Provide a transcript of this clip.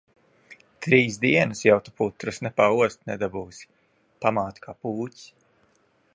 Trīs dienas jau tu putras ne paost nedabūsi. Pamāte kā pūķis.